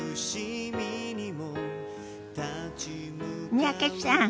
三宅さん